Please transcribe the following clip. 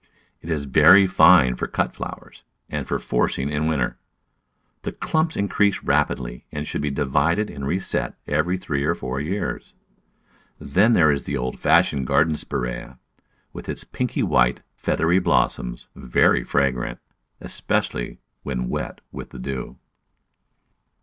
It is very fine for cut flowers, and for forcing in winter. The clumps increase rapidly, and should be divided and reset every three or four years. Then there is the old fashioned garden Spiraea, with its pinky white, feathery blossoms, very fragrant — especially when wet with the dew.